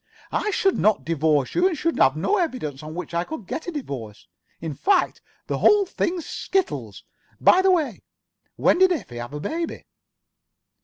I should not divorce you, and should have no evidence on which I could get a divorce. In fact, the whole thing's skittles. By the way, when did Effie have her baby?"